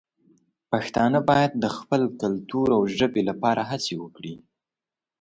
پښتانه باید د خپل کلتور او ژبې لپاره هڅې وکړي.